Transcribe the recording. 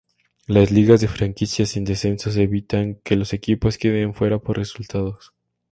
Las ligas de franquicias sin descensos evitan que los equipos queden fuera por resultados.